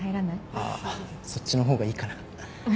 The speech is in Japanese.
あぁそっちのほうがいいかな。